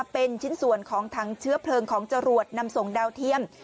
เป็นชิ้นส่วนของถังเชื้อเพลิงของจรวดนำส่งดาวเทียม